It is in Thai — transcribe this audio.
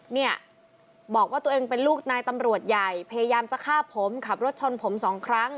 เนี่ยบอกว่าตัวเองเป็นลูกนายตำรวจใหญ่พยายามจะฆ่าผมขับรถชนผมสองครั้ง